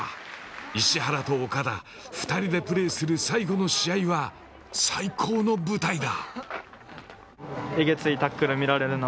石原と岡田、２人でプレーする最後の試合は、最高の舞台だ。